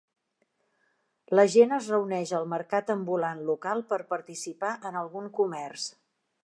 La gent es reuneix al mercat ambulant local per participar en algun comerç